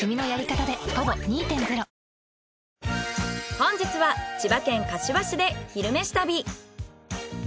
本日は千葉県柏市で「昼めし旅」。